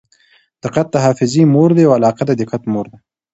دقت د حافظې مور دئ او علاقه د دقت مور ده.